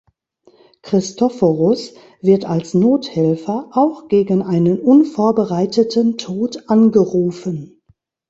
Christophorus wird als Nothelfer auch gegen einen unvorbereiteten Tod angerufen.